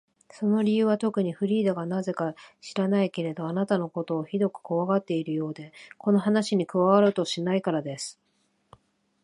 その理由はとくに、フリーダがなぜか知らないけれど、あなたのことをひどくこわがっているようで、この話に加わろうとしないからです。